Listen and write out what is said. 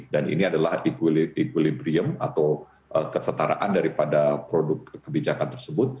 dan ini adalah equilibrium atau kesetaraan daripada produk kebijakan tersebut